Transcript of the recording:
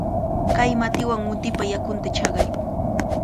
Kay matiwan mutipa yakunta chaqay.